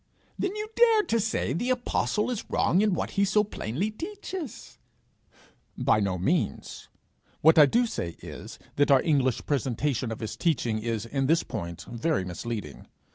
'Then you dare to say the apostle is wrong in what he so plainly teaches?' 'By no means; what I do say is, that our English presentation of his teaching is in this point very misleading.